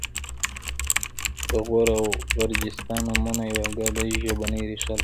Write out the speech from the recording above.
د غور او غرجستان نومونه یوه ګډه ژبنۍ ریښه لري